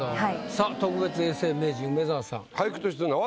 さあ特別永世名人梅沢さん。